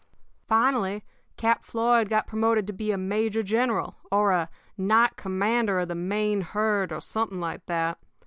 "Finally, Cap Floyd got promoted to be a major general, or a knight commander of the main herd, or something like that.